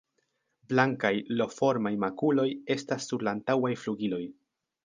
Blankaj L-formaj makuloj estas sur la antaŭaj flugiloj.